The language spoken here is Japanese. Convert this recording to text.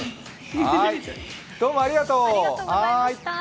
どうもありがとう。